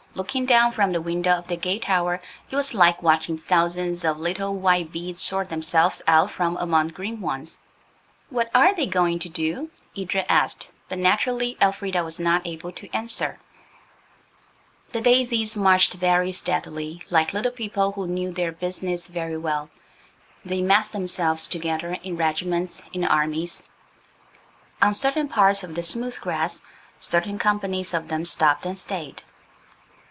Looking down from the window of the gate tower it was like watching thousands of little white beads sort themselves out from among green ones. "What are they going to do?" Edred asked, but naturally Elfrida was not able to answer. The daisies marched very steadily, like little people who knew their business very well. They massed themselves together in regiments, in armies. On certain parts of the smooth grass certain companies of them stopped and stayed.